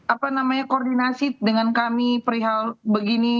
apa namanya koordinasi dengan kami perihal begini